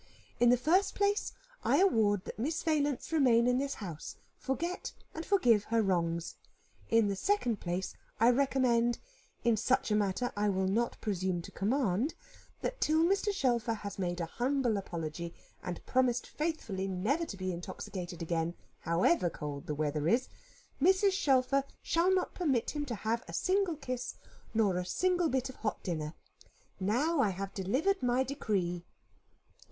In the first place I award that Miss Valence remain in this house, forget and forgive her wrongs. In the second place I recommend (in such a matter I will not presume to command) that till Mr. Shelfer has made a humble apology and promised faithfully never to be intoxicated again, however cold the weather is, Mrs. Shelfer shall not permit him to have a single kiss, nor a single bit of hot dinner. Now I have delivered my decree."